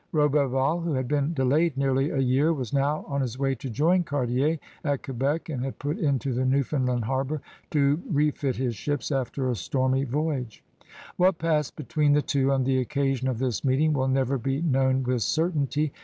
Boberval, who had been delayed nearly a year, was now on his way to join Cartier at Quebec and had put into the Newfoundland harbor to refit his ships after a stormy voyage. What passed between the two on the occasion of this meeting will never be known with certainty.